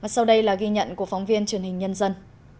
sau đây là ghi nhận của phóng viên truyền hình nhân dân